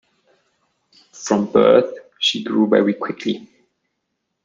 From birth she grew very quickly.